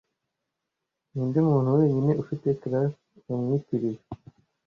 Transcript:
Ninde muntu wenyine ufite class bamwitiriwe